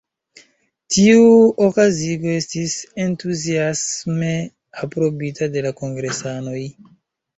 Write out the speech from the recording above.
Tiu okazigo estis entuziasme aprobita de la kongresanoj.